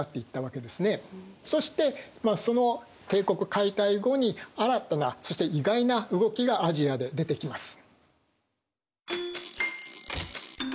そしてその帝国解体後に新たなそして意外な動きがアジアで出てきます。